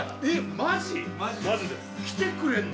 マジです来てくれんの？